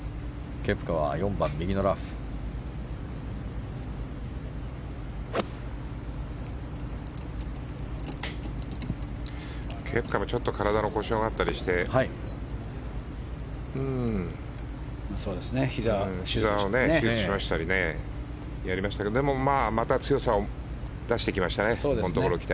ケプカもちょっと体の故障があったりしてひざを手術したりしましたけどでも、また強さを出してきましたね。